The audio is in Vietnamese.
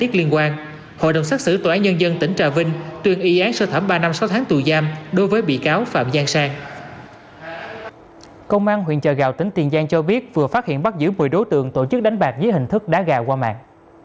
công an huyện trà gạo tỉnh tiền giang cho biết vừa phát hiện bắt giữ một mươi đối tượng tổ chức đánh bạc dưới hình thức đá gà qua mạng